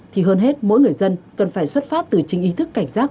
thì hơn hết mỗi người dân cần phải xuất phát từ chính ý thức cảnh giác